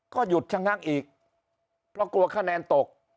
ก็หยุดทั้งห้างอีกเพราะกลัวคะแนนตก